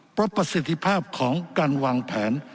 เพราะประสิทธิภาพของการวางแผน